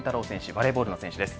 バレーボールの選手です。